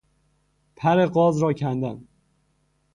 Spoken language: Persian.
پر غاز را کندن